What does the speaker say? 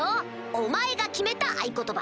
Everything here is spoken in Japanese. お前が決めた合言葉。